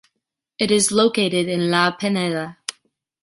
It is located in La Pineda.